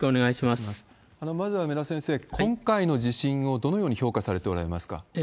まずは梅田先生、今回の地震をどのように評価されておられますか？